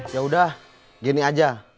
ya udah gini aja